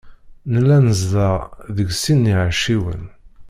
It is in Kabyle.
Nella nezdeɣ deg sin n iɛecciwen.